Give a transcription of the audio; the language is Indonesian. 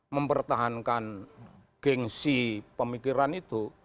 mempertahankan gengsi pemikiran itu